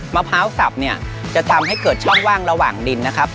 มะพร้าวสับเนี่ยจะทำให้เกิดช่องว่างระหว่างดินนะครับ